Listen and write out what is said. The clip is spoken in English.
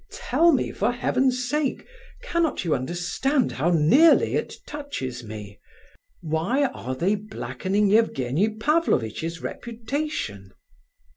Tell me, for Heaven's sake! Cannot you understand how nearly it touches me? Why are they blackening Evgenie Pavlovitch's reputation?"